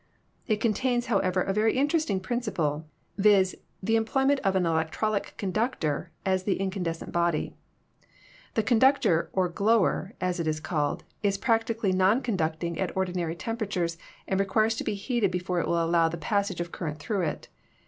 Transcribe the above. It contains, however, a very interesting principle, viz., the employment of an electrolytic conductor as the incandescent body. This conductor or glower, as it is called, is practically non conducting at ordinary tempera tures and requires to be heated before it will allow the passage of current through it.